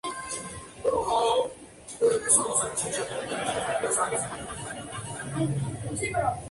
Una encarnizada batalla se libró, en la que Lucio y los romanos fueron derrotados.